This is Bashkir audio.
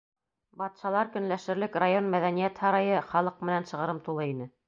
Батшалар көнләшерлек район мәҙәниәт һарайы халыҡ менән шығырым тулы ине.